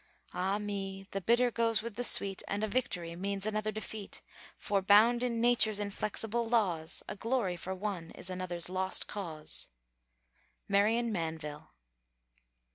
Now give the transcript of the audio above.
Ah me! the bitter goes with the sweet, And a victory means another defeat; For, bound in Nature's inflexible laws, A glory for one is another's Lost Cause. MARION MANVILLE.